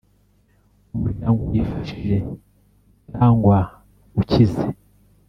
umuryango wifashije cyangwa ukize